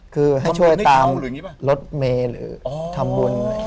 คือให้ช่วยตามรถเมย์หรือทำบุญ